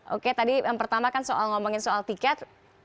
oke tadi yang pertama kan soal ngomongin soal tiket